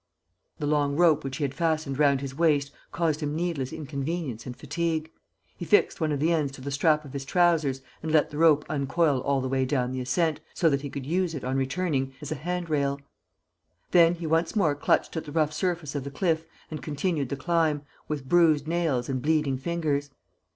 The long rope which he had fastened round his waist caused him needless inconvenience and fatigue. He fixed one of the ends to the strap of his trousers and let the rope uncoil all the way down the ascent, so that he could use it, on returning, as a hand rail. Then he once more clutched at the rough surface of the cliff and continued the climb, with bruised nails and bleeding fingers.